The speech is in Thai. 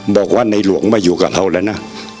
บอกว่าในหลวงมาอยู่กับเราแล้วนะ